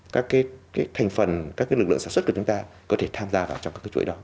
các cái thành phần các cái lực lượng sản xuất của chúng ta có thể tham gia vào trong các cái chuỗi đó